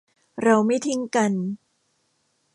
เราไม่ทิ้งกัน